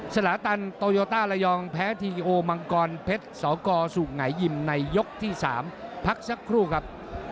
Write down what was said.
สลาตันโตโยต้าระยองแพ้ทีโอมังกรเพชรสกสุไงยิมในยกที่๓พักสักครู่ครับ